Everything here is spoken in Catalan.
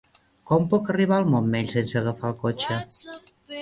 Com puc arribar al Montmell sense agafar el cotxe?